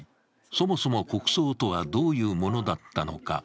そもそも国葬とはどういうものだったのか。